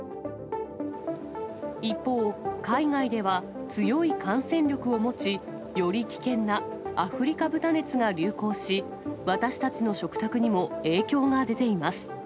一方、海外では強い感染力を持ち、より危険なアフリカ豚熱が流行し、私たちの食卓にも影響が出ています。